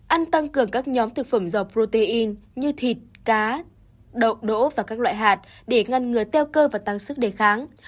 ăn tăng cường các nhóm thực phẩm dầu protein như thịt cá đậu đỗ và các loại hạt để ngăn ngừa teo cơ và tăng sức đề kháng